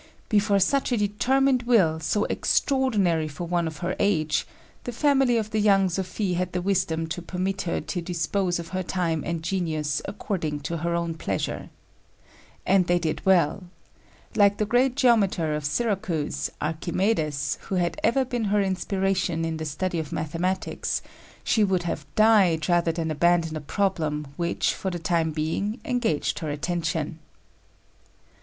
Before such a determined will, so extraordinary for one of her age, the family of the young Sophie had the wisdom to permit her to dispose of her time and genius according to her own pleasure. And they did well. Like the great geometer of Syracuse, Archimedes, who had ever been her inspiration in the study of mathematics, she would have died rather than abandon a problem which, for the time being, engaged her attention.